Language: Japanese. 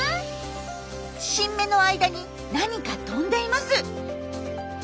新芽の間に何か飛んでいます。